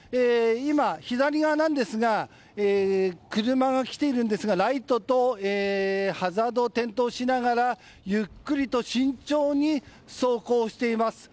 今、左側に車が来ているんですがライトとハザードを点灯しながらゆっくりと慎重に走行しています。